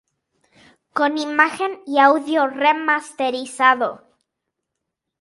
Con imagen y audio remasterizado.